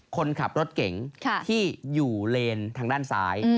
คนขับรถเก๋งที่อยู่เลนทางด้านซ้าย